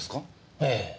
ええ。